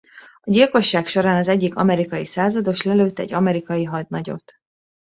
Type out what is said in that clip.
A gyilkosság során az egyik amerikai százados lelőtt egy amerikai hadnagyot.